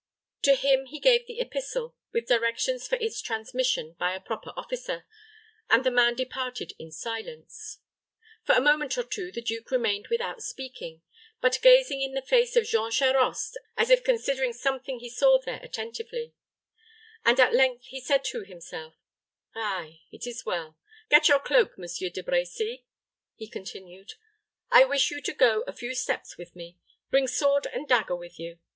To him he gave the epistle, with directions for its transmission by a proper officer, and the man departed in silence. For a moment or two the duke remained without speaking, but gazing in the face of Jean Charost, as if considering something he saw there attentively; and at length he said to himself, "Ay it is as well. Get your cloak, M. de Brecy," he continued. "I wish you to go a few steps with me. Bring sword and dagger with you.